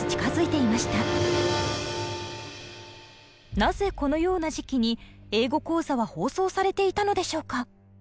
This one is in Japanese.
なぜこのような時期に「英語講座」は放送されていたのでしょうか？